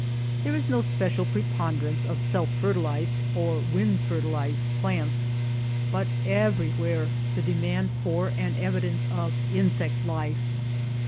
There is no special preponderance of 12 THE LAND OF LITTLE RAIN self fertilized or wind fertilized plants, but everywhere the demand for and evidence of insect life.